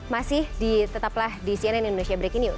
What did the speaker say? masih tetaplah di cnn indonesia breaking news